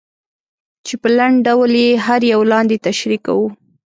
چې په لنډ ډول یې هر یو لاندې تشریح کوو.